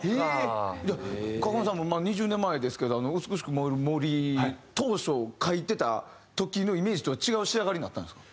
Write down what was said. じゃあ川上さんも２０年前ですけど『美しく燃える森』当初書いてた時のイメージとは違う仕上がりになったんですか？